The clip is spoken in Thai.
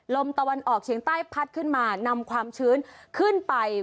ลมตะวันออกเฉียงใต้พัดขึ้นมานำความชื้นขึ้นไป